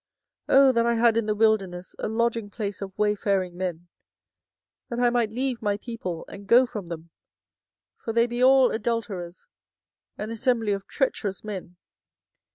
24:009:002 Oh that I had in the wilderness a lodging place of wayfaring men; that I might leave my people, and go from them! for they be all adulterers, an assembly of treacherous men.